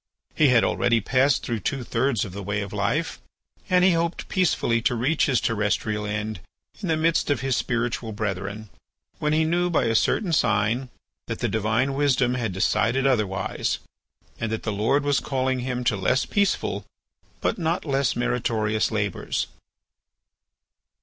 He had already passed through two thirds of the way of life, and he hoped peacefully to reach his terrestrial end in the midst of his spiritual brethren, when he knew by a certain sign that the Divine wisdom had decided otherwise, and that the Lord was calling him to less peaceful but not less meritorious labours.